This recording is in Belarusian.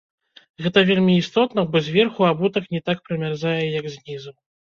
Гэта вельмі істотна, бо зверху абутак не так прамярзае, як знізу.